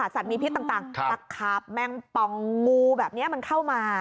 สัตว์มีพิษต่างตะขาบแมงปองงูแบบนี้มันเข้ามา